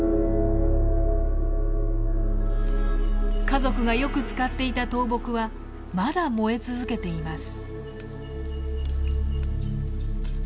家族がよく使っていた倒木はまだ燃え続けています。